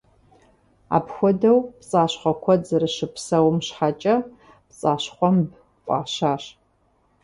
Апхуэдэу пцӏащхъуэ куэд зэрыщыпсэум щхьэкӏэ «Пцӏащхъуэмб» фӏащащ.